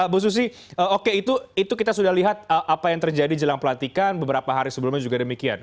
bu susi oke itu kita sudah lihat apa yang terjadi jelang pelantikan beberapa hari sebelumnya juga demikian